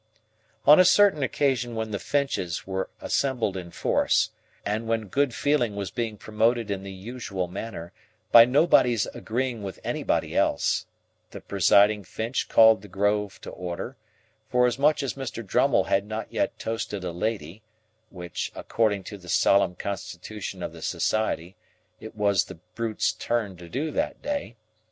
On a certain occasion when the Finches were assembled in force, and when good feeling was being promoted in the usual manner by nobody's agreeing with anybody else, the presiding Finch called the Grove to order, forasmuch as Mr. Drummle had not yet toasted a lady; which, according to the solemn constitution of the society, it was the brute's turn to do that day.